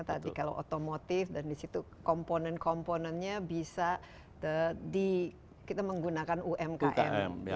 tadi kalau otomotif dan di situ komponen komponennya bisa kita menggunakan umkm